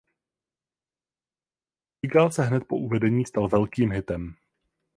Muzikál se hned po uvedení stal velkým hitem.